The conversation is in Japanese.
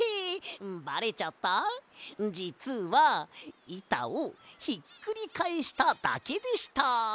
じつはいたをひっくりかえしただけでした。